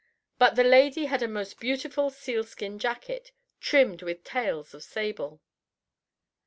Rut the lady had a most beautiful sealskin jacket, trimmed with tails of sable.